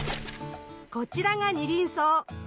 こちらがニリンソウ。